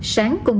sáng cùng ngày